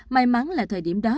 may mắn là thời điểm đó